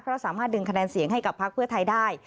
เพราะสามารถดึงคะแนนเสียงให้กับพักเพื่อไทยได้